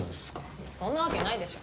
いやそんなわけないでしょ